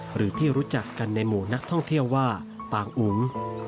หรือที่รู้จักกันในหมู่นักท่องเที่ยวว่าปางอุ๋ง